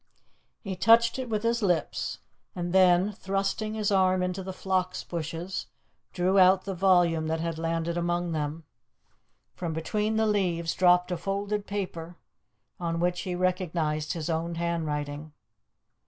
He touched it with his lips, and then, thrusting his arm into the phlox bushes, drew out the volume that had landed among them. From between the leaves dropped a folded paper, on which he recognized his own handwriting.